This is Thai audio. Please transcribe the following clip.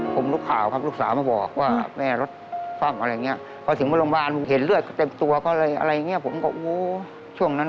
ผมลูกข่าวครับลูกสาวมาบอกว่าแม่รถฟังอะไรอย่างนี้